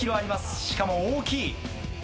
しかも大きい。